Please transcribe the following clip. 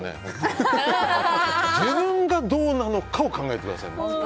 自分がどうなのかを考えてください。